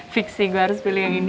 fix sih gue harus pilih yang ini